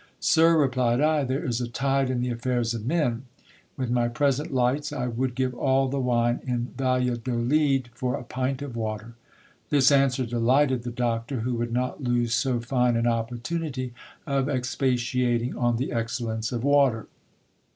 Sir, replied I, there is a tide in the affairs of men : with my present lights, I would give all the wine in Valladolid for a pint of water. This answer delighted the doctor, who would not lose so fine an opportunity of expatiating on the excellence of water.